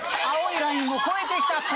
青いラインを越えてきた。